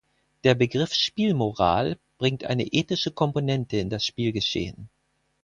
Der Begriff Spielmoral bringt eine ethische Komponente in das Spielgeschehen.